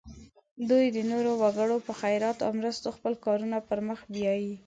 دوی د نورو وګړو په خیرات او مرستو خپل کارونه پر مخ بیایي.